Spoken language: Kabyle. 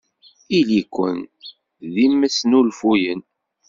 Ili-ken d imesnulfuyen!